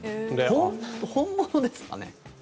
本物ですかね？